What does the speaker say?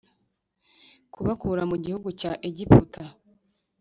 kubakura mu gihugu cya egiputa